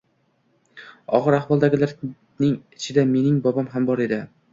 Og`ir ahvoldagilarning ichida mening bobom ham bor edi